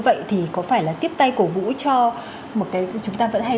vậy thì có phải là tiếp tay cổ vũ cho một cái chúng ta vẫn hay